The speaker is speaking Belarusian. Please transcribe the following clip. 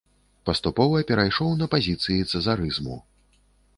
Паступова перайшоў на пазіцыі цэзарызму.